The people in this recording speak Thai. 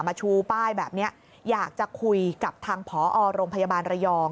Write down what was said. ชูป้ายแบบนี้อยากจะคุยกับทางผอโรงพยาบาลระยอง